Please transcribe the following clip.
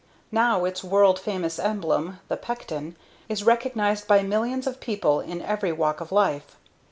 Now its world famous emblem (the Pecten) is recognized by millions of people in every walk of life.